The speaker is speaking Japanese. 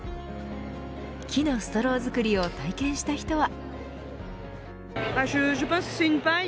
木のストロー作りを体験した人は。